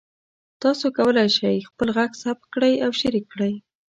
تاسو کولی شئ خپل غږ ثبت کړئ او شریک کړئ.